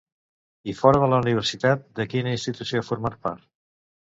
I fora de la universitat, de quina institució ha format part?